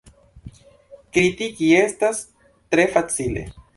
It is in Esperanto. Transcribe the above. Kritiki estas tre facile.